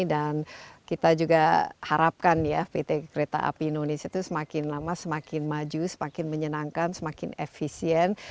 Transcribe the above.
dan kita juga harapkan ya pt kereta api indonesia itu semakin lama semakin maju semakin menyenangkan semakin efisien